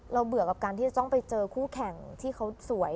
เบื่อกับการที่จะต้องไปเจอคู่แข่งที่เขาสวย